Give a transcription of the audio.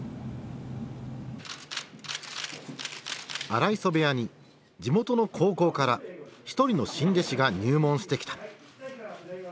荒磯部屋に地元の高校から一人の新弟子が入門してきた。